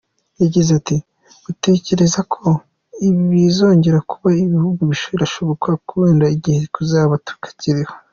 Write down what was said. Yagize ati “Uratekereza ko ibi bizongera kuba ibihugu? Birashoboka wenda igihe tuzaba tutakiriho.